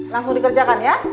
langsung dikerjakan ya